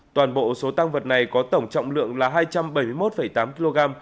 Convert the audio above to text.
toàn bộ số tăng vật này có tổng trọng lượng là hai trăm bảy mươi một tám kg